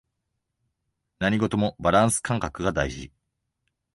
何事もバランス感覚が大事